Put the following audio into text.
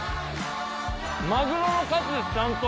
マグロのカツです、ちゃんと。